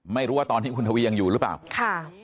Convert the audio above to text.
ไม่รู้ว่าตอนที่คุณทวียังอยู่หรือเปล่าค่ะ